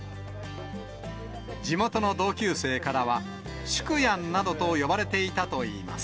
地元の同級生からは、しゅくやんなどと呼ばれていたといいます。